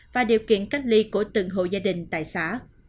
và điều kiện cách ly của từng hộ gia đình tại xã